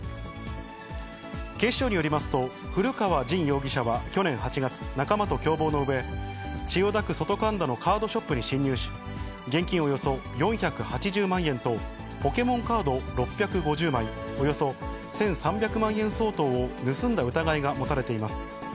警視庁によりますと、古川刃容疑者は去年８月、仲間と共謀のうえ、千代田区外神田のカードショップに侵入し、現金およそ４８０万円と、ポケモンカード６５０枚、およそ１３００万円相当を盗んだ疑いが持たれています。